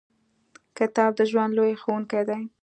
• کتاب د ژوند لوی ښوونکی دی.